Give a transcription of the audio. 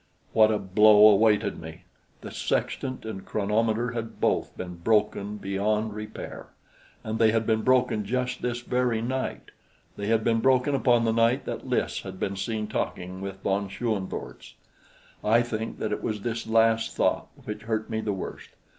What a blow awaited me! The sextant and chronometer had both been broken beyond repair, and they had been broken just this very night. They had been broken upon the night that Lys had been seen talking with von Schoenvorts. I think that it was this last thought which hurt me the worst.